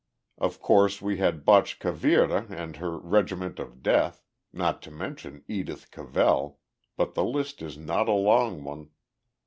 Of course, we had Botchkareva and her 'Regiment of Death,' not to mention Edith Cavell, but the list is not a long one.